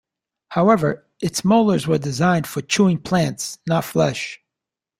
However its molars were designed for chewing plants, not flesh.